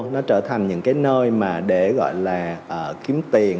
nó trở thành những cái nơi mà để gọi là kiếm tiền